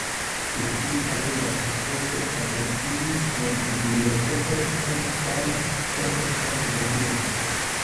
Sur tiu bazo la episkopo ampleksigis sian bibliotekon sen ŝpari tempon kaj energion.